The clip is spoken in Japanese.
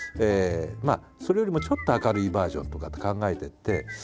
それよりもちょっと明るいバージョンとかって考えてって。